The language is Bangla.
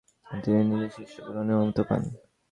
তিনি নিজে শিষ্য গ্রহণের অনুমতি পান।